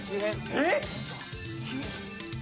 えっ！？